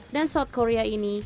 dan south korea ini